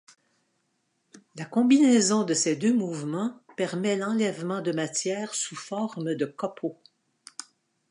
La combinaison de ces deux mouvements permet l'enlèvement de matière sous forme de copeaux.